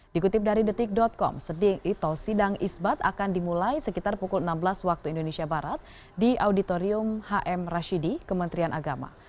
dikutip dari detik com seding ito sidang isbat akan dimulai sekitar pukul enam belas waktu indonesia barat di auditorium hm rashidi kementerian agama